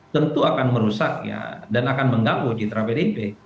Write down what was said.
tentu akan merusak dan akan mengganggu citra pdip